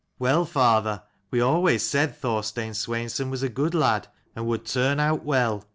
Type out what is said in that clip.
" Well, father, we always said Thorstein Sweinson was a good lad and would turn out well."